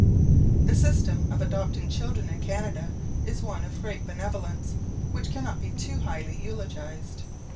This system of adopting children in Canada is one of great benevolence, which cannot be too highly eulogized.